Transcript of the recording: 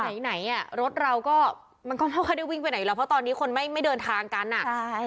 ไหนไหนอ่ะรถเราก็มันก็ไม่ค่อยได้วิ่งไปไหนอยู่แล้วเพราะตอนนี้คนไม่ไม่เดินทางกันอ่ะใช่